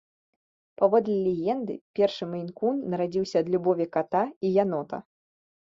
Паводле легенды, першы мэйн-кун нарадзіўся ад любові ката і янота.